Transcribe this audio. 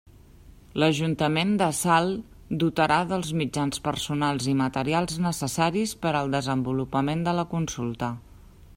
L'Ajuntament de Salt dotarà dels mitjans personals i materials necessaris per al desenvolupament de la consulta.